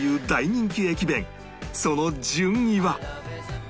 その順位は？